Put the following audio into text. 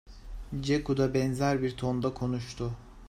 Ceku da benzer bir tonda konuştu.